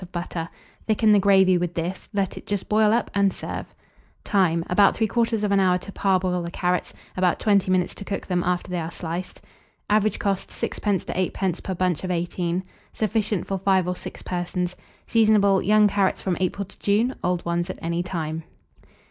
of butter; thicken the gravy with this; let it just boil up, and serve. Time. About 3/4 hour to parboil the carrots, about 20 minutes to cook them after they are sliced. Average cost, 6d. to 8d. per bunch of 18. Sufficient for 5 or 6 persons. Seasonable. Young carrots from April to June, old ones at any time.